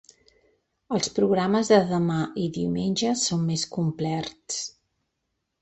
Els programes de demà i diumenge són més complerts.